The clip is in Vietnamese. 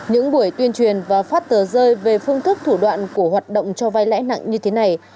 những buổi tuyên truyền và phát tờ rơi về phương thức thủ đoạn của hoạt động cho vai lãi nặng như thế này